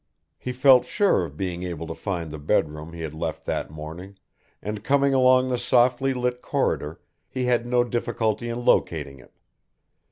He felt sure of being able to find the bed room he had left that morning, and coming along the softly lit corridor he had no difficulty in locating it.